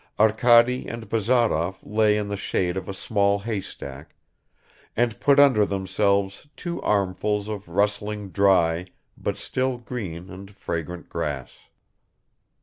Arkady and Bazarov lay in the shade of a small haystack, and put under themselves two armfuls of rustling dry but still green and fragrant grass.